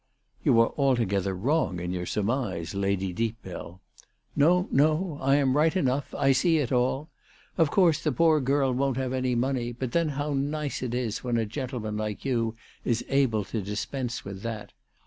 " You are altogether wrong in your surmise, Lady Deepbell." " No, no ; I am right enough. I see it all. Of course the poor girl won't have any money ; but then how nice it is when a gentleman like you is able to dispense with that.